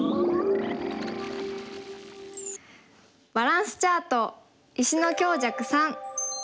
バランスチャート。